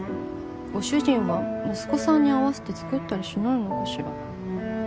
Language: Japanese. ご主人は息子さんに合わせて作ったりしないのかしら。